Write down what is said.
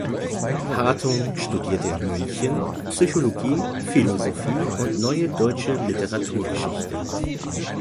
Hartung studierte in München Psychologie, Philosophie und Neue Deutsche Literaturgeschichte.